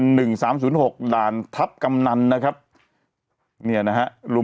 หนึ่งสามศูนย์หกด่านทัพกำนันนะครับเนี่ยนะฮะรุม